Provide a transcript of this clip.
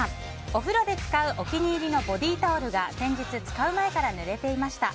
お風呂で使うお気に入りのボディータオルが先日、使う前からぬれていました。